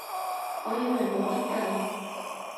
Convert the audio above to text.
我以為冇得救